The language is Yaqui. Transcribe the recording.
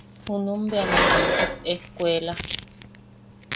Junum bea ne ansuk ejkuela.